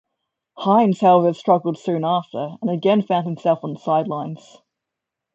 Hinds however struggled soon after and again found himself on the sidelines.